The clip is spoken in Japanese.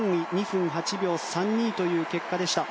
２分８秒３２という結果でした。